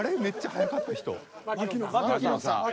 槙野さん。